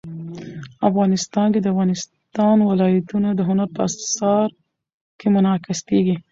افغانستان کې د افغانستان ولايتونه د هنر په اثار کې منعکس کېږي.